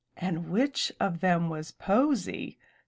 And which of them was posy.